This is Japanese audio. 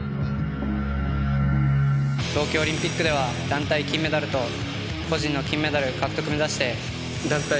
東京オリンピックでは団体金メダルと、個人の金メダルの獲得を目指して挑みたい。